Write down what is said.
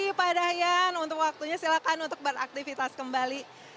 bapak dahyan untuk waktunya silakan untuk beraktivitas kembali